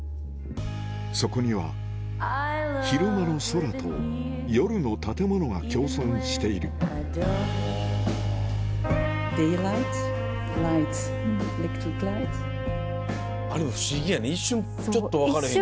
そこには昼間の空と夜の建物が共存しているでも不思議やね一瞬ちょっと分かれへんけど。